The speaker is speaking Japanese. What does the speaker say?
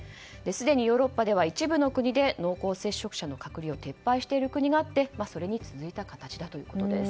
すでにヨーロッパでは一部の国で濃厚接触者の隔離を撤廃している国があってそれに続いた形だということです。